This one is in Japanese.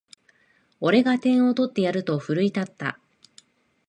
俺が点を取ってやると奮い立った